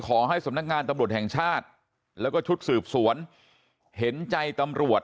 ขอให้สำนักงานตำรวจแห่งชาติแล้วก็ชุดสืบสวนเห็นใจตำรวจ